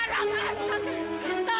ya udah kita bisa